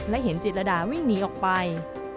และเห็นจิตรดาวิ่งหนีออกไป